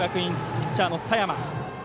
ピッチャーの佐山。